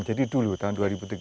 jadi dulu tahun dua ribu tiga belas